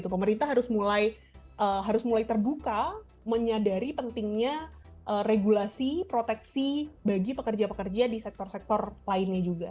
pemerintah harus mulai terbuka menyadari pentingnya regulasi proteksi bagi pekerja pekerja di sektor sektor lainnya juga